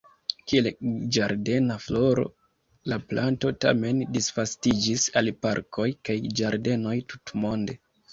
Kiel ĝardena floro, la planto tamen disvastiĝis al parkoj kaj ĝardenoj tutmonde.